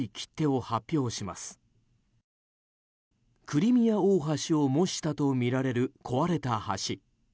クリミア大橋を模したとみられる壊れた橋。